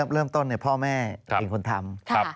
เริ่มต้นเนี่ยพ่อแม่เองคนทำ